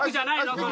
これ。